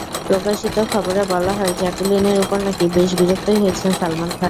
প্রকাশিত খবরে বলা হয়, জ্যাকুলিনের ওপর নাকি বেশ বিরক্তই হয়েছেন সালমান খান।